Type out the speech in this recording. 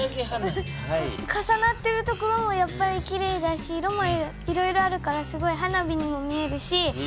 重なってる所もやっぱりきれいだし色もいろいろあるからすごい花火にも見えるし。